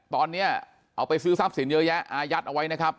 ตอนนี้เอาไปซื้อทรัพย์สินเยอะแยะอายัดเอาไว้นะครับ